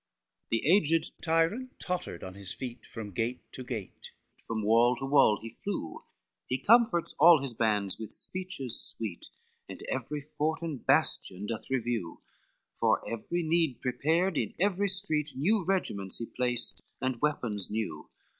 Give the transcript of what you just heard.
XXIX The aged tyrant tottered on his feet From gate to gate, from wall to wall he flew, He comforts all his bands with speeches sweet, And every fort and bastion doth review, For every need prepared in every street New regiments he placed and weapons new.